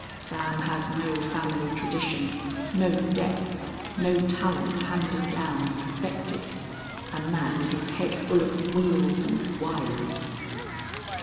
Sam has no family tradition, no depth, no talent handed down and perfected. A man with his head full of wheels and wires."